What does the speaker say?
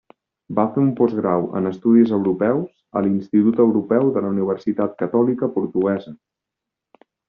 Va fer un postgrau en Estudis Europeus, a l'Institut Europeu de la Universitat Catòlica Portuguesa.